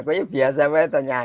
aku itu biasa saya tanya